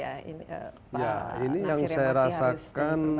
ya ini yang saya rasakan